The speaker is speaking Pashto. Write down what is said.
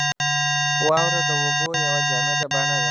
• واوره د اوبو یوه جامده بڼه ده.